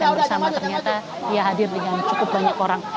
dan bersama ternyata dia hadir dengan cukup banyak orang